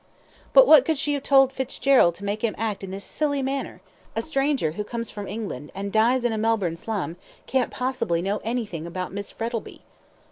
"But what could she have told Fitzgerald to make him act in this silly manner? A stranger who comes from England, and dies in a Melbourne slum, can't possibly know anything about Miss Frettlby."